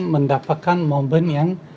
mendapatkan momen yang